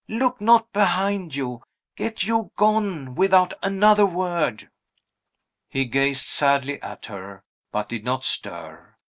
Look not behind you! Get you gone without another word." He gazed sadly at her, but did not stir.